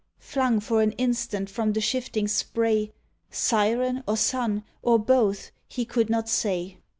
Flung for an instant from the shifting spray — Siren, or son, or both, he could not say.